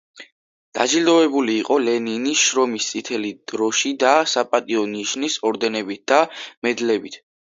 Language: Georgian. დაჯილდოვებული იყო ლენინის, შრომის წითელი დროში და საპატიო ნიშნის ორდენებით და მედლებით.